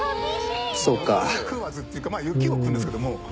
飲まず食わずっていうかまあ雪を食うんですけども。